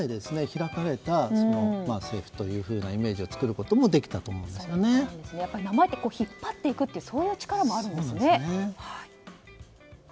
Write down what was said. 開かれた政府というイメージを作ることもできたと名前って引っ張っていくという力もあるんですね。